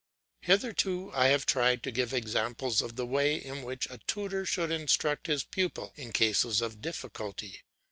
Hitherto I have tried to give examples of the way in which a tutor should instruct his pupil in cases of difficulty.